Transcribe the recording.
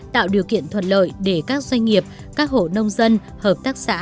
tạo điều kiện thuận lợi để các doanh nghiệp các hộ nông dân hợp tác xã